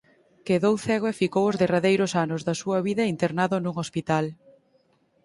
Quedou cego e ficou os derradeiros anos da súa vida internado nun hospital.